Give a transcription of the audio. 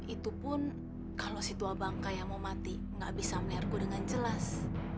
itu pun kalau si tua bangka yang mau mati nggak bisa menergo dengan jelas